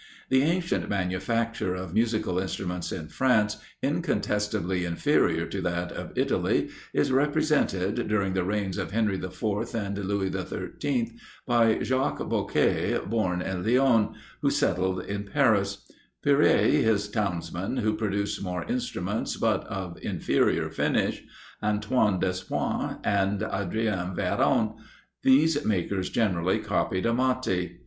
The ancient manufacture of musical instruments in France, incontestably inferior to that of Italy, is represented, during the reigns of Henry the Fourth and Louis the Thirteenth, by Jacques Bocquay, born at Lyons, who settled in Paris; Pierret, his townsman, who produced more instruments, but of inferior finish; Antoine Despons, and Adrien Véron; these makers generally copied Amati.